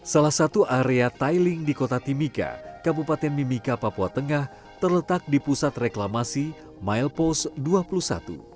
salah satu area tiling di kota timika kabupaten mimika papua tengah terletak di pusat reklamasi milepost dua puluh satu